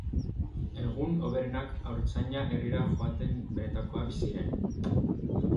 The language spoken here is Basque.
Egun hoberenak haurtzaina herrira joaten zenekoak ziren.